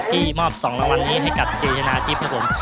ที่มอบ๒รางวัลนี้ให้กับเจชนะทิพย์ครับผม